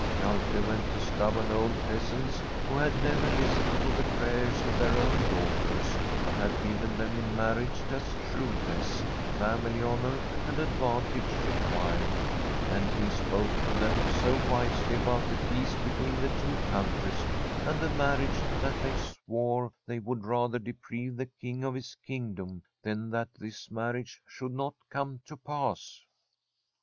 Hjalte went to stubborn old peasants who had never listened to the prayers of their own daughters, but had given them in marriage as shrewdness, family honour, and advantage re quired, and he spoke to them so wisely about the peace between the two countries and the mar riage that they swore they would rather deprive the King of his kingdom than that this marriage should not come to pass.